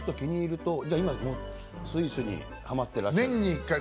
今、スイスにはまってらっしゃる。